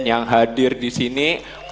yang hadir disini